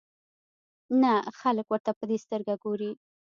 نه خلک ورته په دې سترګه ګوري.